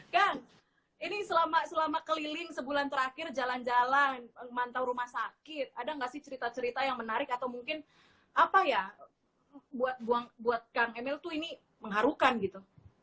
kang ini selama keliling sebulan terakhir jalan jalan mantau rumah sakit ada nggak sih cerita cerita yang menarik atau mungkin apa ya buat kang emil tuh ini mengharukan gitu